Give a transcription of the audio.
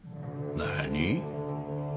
何？